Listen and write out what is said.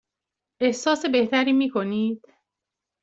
احساس بهتری می کنید؟